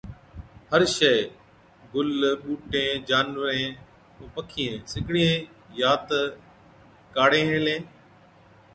هر شئيءَ، گُل، ٻُوٽين، جانورين ائُون پکِيئَين سِگڙين يان تہ ڪاڙين هِلين،